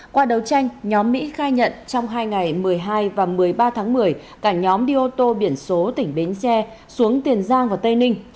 qua đấu tranh nhóm mỹ khai nhận trong hai ngày một mươi hai và một mươi ba tháng một mươi cả nhóm đi ô tô biển số tỉnh bến tre xuống tiền giang và tây ninh